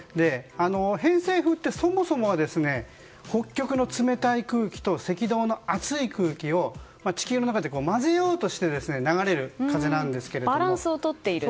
偏西風ってそもそも北極の冷たい空気と赤道の熱い空気を地球の中で混ぜようとして流れる風なんですけれども。